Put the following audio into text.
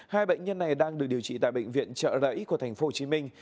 hai bệnh nhân này đang được điều trị tại bệnh viện trợ rẫy của thành phố hồ chí minh